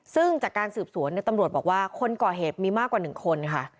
ซึ่งจากการสืบสวนตำรวจบอกว่าคนก่อเหตุมีมากกว่า๑คนค่ะ